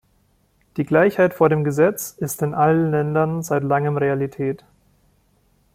Die Gleichheit vor dem Gesetz ist in allen Ländern seit Langem Realität.